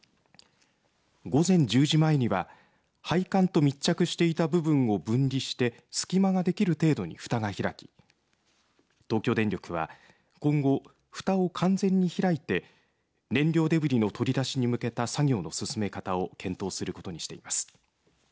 午前１０時前には配管と密着していた部分を分離して隙間ができる程度にふたが開き東京電力は今後ふたを完全に開いて燃料デブリの取り出しに向けた作業の進め方を検討することにしています。